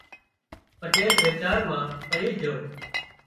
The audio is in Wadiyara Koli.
پٽيل ويچار مان پڙي جھو